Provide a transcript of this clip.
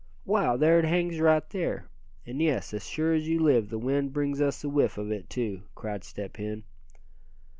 "Wow! there it hangs right now; and yes, as sure as you live, the wind brings us a whiff of it, too!" cried Step Hen.